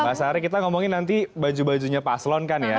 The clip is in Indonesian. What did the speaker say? pak sari kita ngomongin nanti baju bajunya paslon kan ya